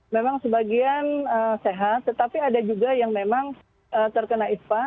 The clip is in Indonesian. memang sebagian sehat tetapi ada juga yang memang terkena ispa